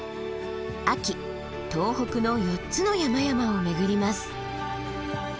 秋東北の４つの山々を巡ります。